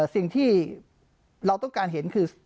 สิ่งที่เราต้องการเห็นคือ